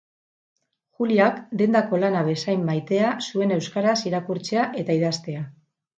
Juliak dendako lana bezain maitea zuen euskaraz irakurtzea eta idaztea.